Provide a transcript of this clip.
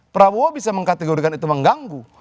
prabowo bisa mengkategorikan itu mengganggu